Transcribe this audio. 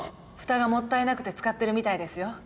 蓋がもったいなくて使ってるみたいですよ。